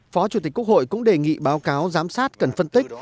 phó chủ tịch quốc hội cũng đề nghị báo cáo giám sát cần phân tích